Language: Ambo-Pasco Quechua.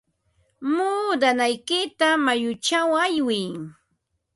Muudanaykita mayuchaw aywiy.